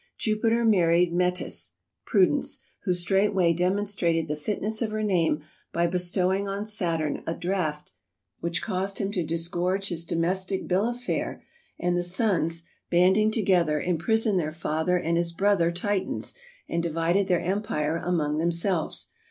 Jupiter married Metis (Prudence), who straightway demonstrated the fitness of her name by bestowing on Saturn a draught which caused him to disgorge his domestic bill of fare, and the sons, banding together, imprisoned their father and his brother Titans and divided their empire among themselves.